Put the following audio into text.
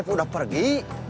saya udah pergi